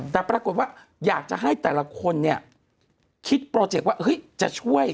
แต่ปรากฏว่าอยากจะให้แต่ละคนคิดโปรเจกต์ว่า